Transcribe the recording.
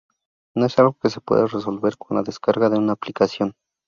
no es algo que se pueda resolver con la descarga de una aplicación